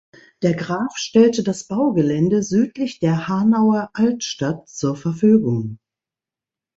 Der Graf stellte das Baugelände südlich der Hanauer Altstadt zur Verfügung.